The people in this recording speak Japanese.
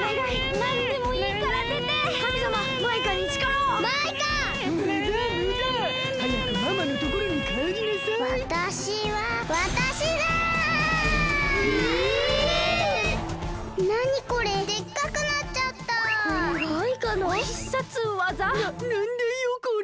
ななんだよこれ？